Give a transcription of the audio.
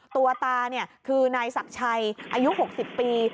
ตัวตาคือนายศักดิ์ชัยอายุ๖๐ปี